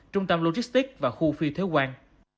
trung tâm logistic và khu phi thiếu quan